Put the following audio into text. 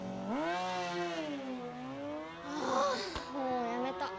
あもうやめた！